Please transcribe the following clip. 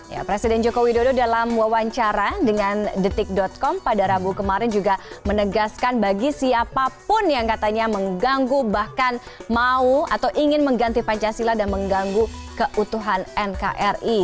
ya presiden joko widodo dalam wawancara dengan detik com pada rabu kemarin juga menegaskan bagi siapapun yang katanya mengganggu bahkan mau atau ingin mengganti pancasila dan mengganggu keutuhan nkri